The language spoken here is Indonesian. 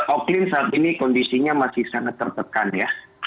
oklin saat ini kondisinya masih sangat tertekan ya